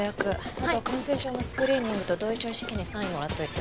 あと感染症のスクリーニングと同意書一式にサインもらっておいて。